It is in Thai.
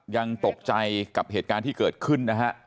ยังตกใจกับเหตุการณ์ที่เกิดขึ้นนะฮะ